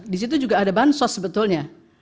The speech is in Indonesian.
di situ juga ada bansos sebetulnya